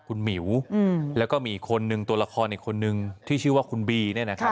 คุณหมิวแล้วก็มีอีกคนนึงตัวละครอีกคนนึงที่ชื่อว่าคุณบีเนี่ยนะครับ